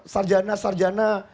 sarjana dan lain sebagainya